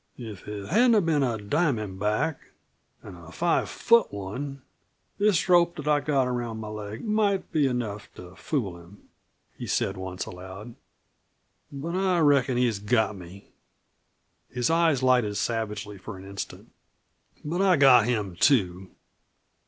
"If it hadn't been a diamond back an' a five foot one this rope that I've got around my leg might be enough to fool him," he said once, aloud. "But I reckon he's got me." His eyes lighted savagely for an instant. "But I got him, too.